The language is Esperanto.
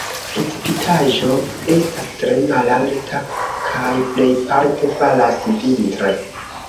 Precipitaĵo estas tre malalta kaj plejparte falas vintre.